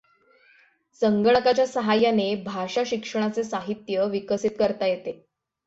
संगणकाच्या सहाय्याने भाषा शिक्षणाचे साहित्य विकसित करता येते.